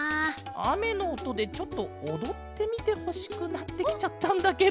あめのおとでちょっとおどってみてほしくなってきちゃったんだケロ。